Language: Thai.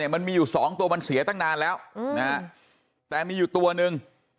มันมีอยู่สองตัวมันเสียตั้งนานแล้วแต่มีอยู่ตัวหนึ่ง